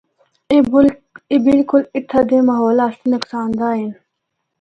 اے بالکل اِتھّا دے ماحول آسطے نقصان دہ ہن۔